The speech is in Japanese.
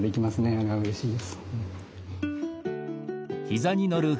あれはうれしいです。